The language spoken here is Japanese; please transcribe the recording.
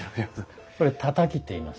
これ三和土っていいます。